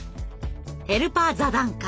ヘルパー座談会。